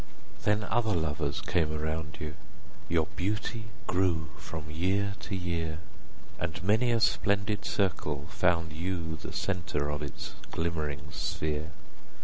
Then other lovers came around you, Your beauty grew from year to year, And many a splendid circle found you The centre of its glimmering sphere.